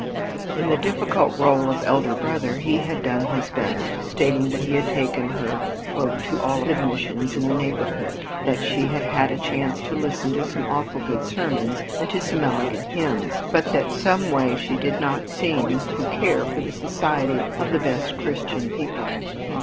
In the difficult rôle of elder brother, he had done his best, stating that he had taken her "to all the missions in the neighborhood, that she had had a chance to listen to some awful good sermons and to some elegant hymns, but that some way she did not seem to care for the society of the best Christian people."